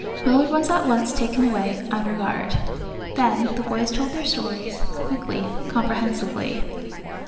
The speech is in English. Millard was at once taken away, under guard. Then the boys told their stories, quickly, comprehensively.